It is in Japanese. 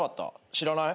知らない。